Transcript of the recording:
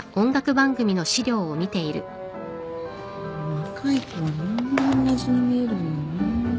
若い子はみんなおんなじに見えるのよね。